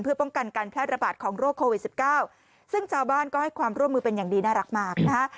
เพื่อป้องกันการแพร่ระบาดของโรคโควิด๑๙ซึ่งชาวบ้านก็ให้ความร่วมมือเป็นอย่างดีน่ารักมากนะฮะ